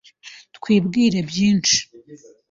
Tubwire byinshi.